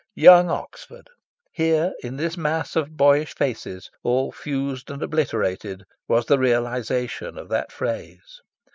Young Oxford! Here, in this mass of boyish faces, all fused and obliterated, was the realisation of that phrase.